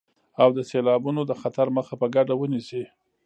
او د سيلابونو د خطر مخه په ګډه ونيسئ.